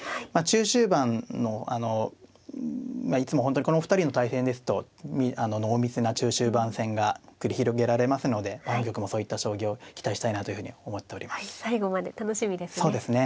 まあ中終盤のあのいつも本当にこのお二人の対戦ですと濃密な中終盤戦が繰り広げられますので本局もそういった将棋を期待したいなというふうに思っております。